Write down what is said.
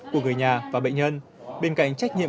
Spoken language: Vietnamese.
của người nhà và bệnh nhân bên cạnh trách nhiệm